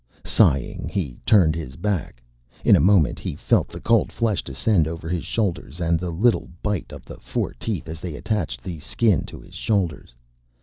Sighing, he turned his back. In a moment he felt the cold flesh descend over his shoulders and the little bite of the four teeth as they attached the Skin to his shoulders.